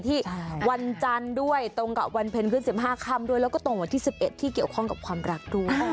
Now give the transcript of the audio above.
ที่วันจันทร์ด้วยตรงกับวันเพลงขึ้น๑๕คำและตรงกับที่๑๑ที่เกี่ยวข้องกับความรักด้วย